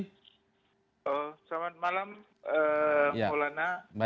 selamat malam maulana